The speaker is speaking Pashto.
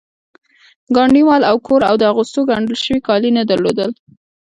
ګاندي مال او کور او د اغوستو ګنډل شوي کالي نه درلودل